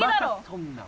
そんな